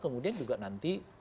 kemudian juga nanti dprd